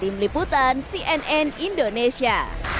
tim liputan cnn indonesia